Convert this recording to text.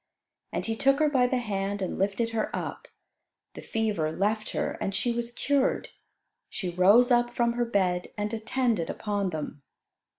And He took her by the hand and lifted her up. The fever left her and she was cured. She rose up from her bed and attended upon them.